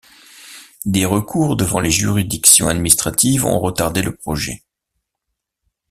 Des recours devant les juridictions administratives ont retardé le projet.